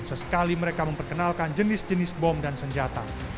sesekali mereka memperkenalkan jenis jenis bom dan senjata